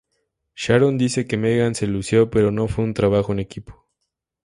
Sharon dice que Megan se lució pero no fue un trabajo en equipo.